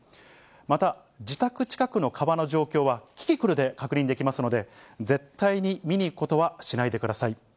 また、自宅近くの川の状況はキキクルで確認できますので、絶対に見にいくことはしないでください。